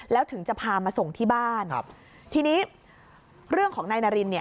แล้วถึงจะพามาส่งที่บ้านครับทีนี้เรื่องของนายนารินเนี่ย